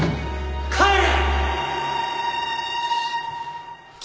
帰れ！